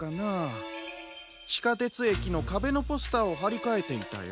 ちかてつえきのかべのポスターをはりかえていたよ。